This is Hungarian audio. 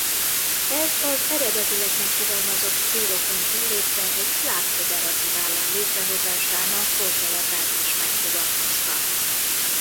Ez az eredetileg megfogalmazott célokon túllépve egy Szláv föderatív állam létrehozásának gondolatát is megfogalmazta.